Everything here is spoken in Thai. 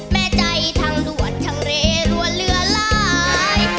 แม่ใจทั้งด่วนทั้งเรียรวนเหลือลาย